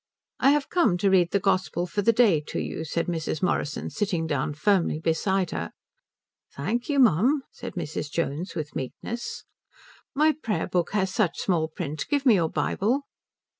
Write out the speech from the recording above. "I have come to read the gospel for the day to you," said Mrs. Morrison, sitting down firmly beside her. "Thank you mum," said Mrs. Jones with meekness. "My prayer book has such small print give me your Bible."